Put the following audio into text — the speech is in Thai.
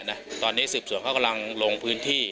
หรืออะไรเนี่ยตอนนี้ศึกษวนเขากำลังลงพื้นที่